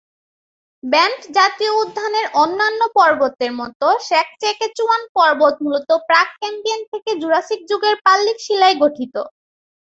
Banff জাতীয় উদ্যানের অন্যান্য পর্বতের মত সাসক্যাচুয়ান পর্বত মূলত প্রাক-ক্যাম্ব্রিয়ান থেকে জুরাসিক যুগের পাললিক শিলায় গঠিত।